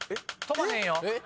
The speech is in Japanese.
飛ばへんよ。